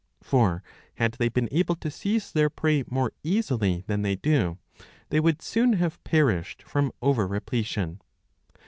^^ For had they been able to seize their prey more easily than they do, they would soon have perished from over repletion.